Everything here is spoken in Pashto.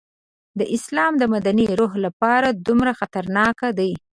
د اسلام د مدني روح لپاره دومره خطرناک دی.